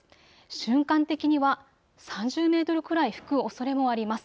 瞬間的には３０メートルくらい吹くおそれもあります。